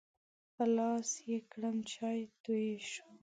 په لاس یې ګرم چای توی شو.